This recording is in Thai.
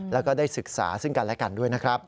แล้วก็ได้ศึกษาซึ่งกันและกันด้วยนะครับ